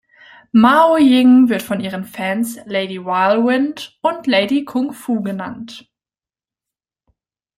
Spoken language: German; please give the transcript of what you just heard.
Mao Ying wird von ihren Fans "Lady Whirlwind" und "Lady Kung Fu" genannt.